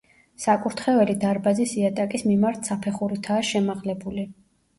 საკურთხეველი დარბაზის იატაკის მიმართ საფეხურითაა შემაღლებული.